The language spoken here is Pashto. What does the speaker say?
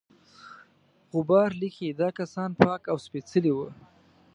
غبار لیکي دا کسان پاک او سپیڅلي وه.